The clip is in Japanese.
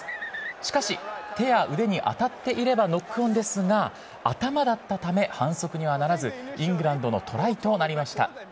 しかし、手や腕に当たっていればノックオンですが、頭だったため反則にはならず、イングランドのトライとなりました。